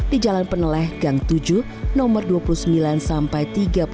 di jalan peneleh gang tujuh nomor dua puluh sembilan sampai tiga puluh